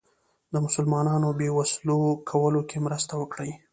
د مسلمانانو بې وسلو کولو کې مرسته وکړي.